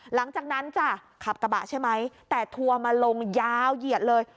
หลังจากนั้นจ้ะขับกระบะใช่ไหมแต่ทัวร์มาลงยาวเหยียดเลย